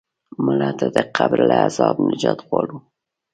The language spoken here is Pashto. مړه ته د قبر له عذابه نجات غواړو